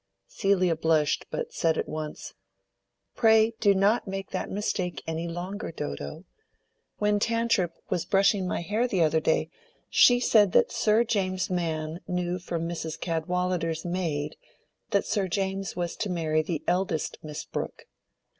Celia blushed, but said at once— "Pray do not make that mistake any longer, Dodo. When Tantripp was brushing my hair the other day, she said that Sir James's man knew from Mrs. Cadwallader's maid that Sir James was to marry the eldest Miss Brooke."